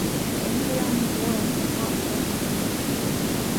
The embryonic whorls are not flattened.